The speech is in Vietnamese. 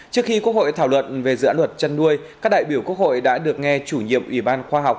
trước khi quốc hội thảo luận về dự án luật chăn nuôi các đại biểu quốc hội đã được nghe chủ nhiệm ủy ban khoa học